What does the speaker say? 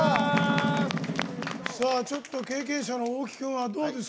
ちょっと経験者の大木君はどうですか？